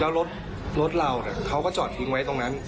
แล้วรถเราเขาก็จอดทิ้งไว้ตรงนั้น